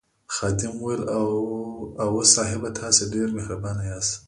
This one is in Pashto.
خادم وویل اوه صاحبه تاسي ډېر مهربان یاست.